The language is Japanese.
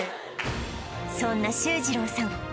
そんな修仁郎さん